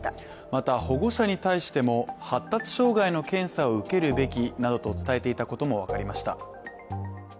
また保護者に対しても、発達障害の検査を受けるべきなどと伝えていたことも分かりました。